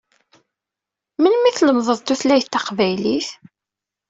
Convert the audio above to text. Memli i tlemdem taqbaylit?